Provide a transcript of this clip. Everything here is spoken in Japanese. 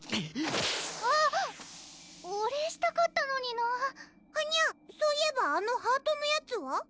あっお礼したかったのになぁはにゃそういえばあのハートのやつは？